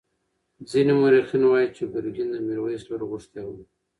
ځینې مورخین وایي چې ګرګین د میرویس لور غوښتې وه.